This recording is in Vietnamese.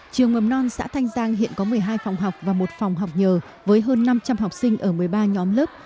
trường mầm non xã thanh giang hiện có một mươi hai phòng học và một phòng học nhờ với hơn năm trăm linh học sinh ở một mươi ba nhóm lớp